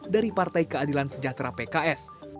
dari partai keadilan sejahtera pks